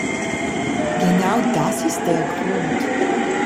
Genau das ist der Grund!